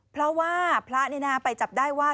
เพราะว่าพระนาขนาน้าไปจับได้ว่า